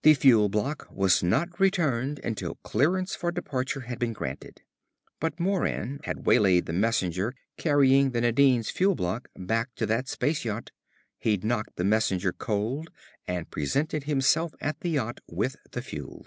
The fuel block was not returned until clearance for departure had been granted. But Moran had waylaid the messenger carrying the Nadine's fuel block back to that space yacht. He'd knocked the messenger cold and presented himself at the yacht with the fuel.